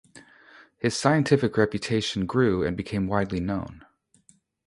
His scientific reputation grew and became widely known.